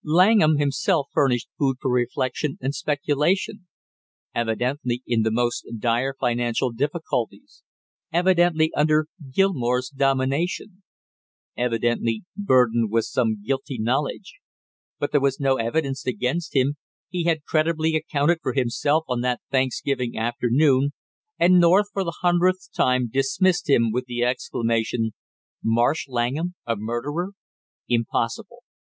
Langham himself furnished food for reflection and speculation. Evidently in the most dire financial difficulties; evidently under Gilmore's domination; evidently burdened with some guilty knowledge, but there was no evidence against him, he had credibly accounted for himself on that Thanksgiving afternoon, and North for the hundredth time dismissed him with the exclamation: "Marsh Langham a murderer? Impossible!"